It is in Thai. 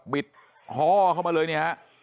บิดฮ้อเข้ามาเลยเนี่ยฮะ